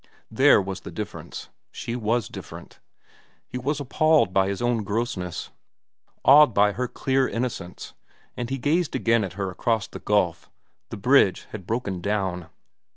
There was the difference. She was different. He was appalled by his own grossness, awed by her clear innocence, and he gazed again at her across the gulf. The bridge had broken down.